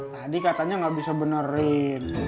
tadi katanya nggak bisa benerin